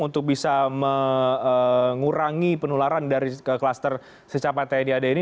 untuk bisa mengurangi penularan dari kluster secapai tidad ini